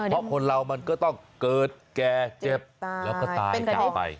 เพราะคนเรามันก็ต้องเกิดแก่เจ็บแล้วก็ตายจากไป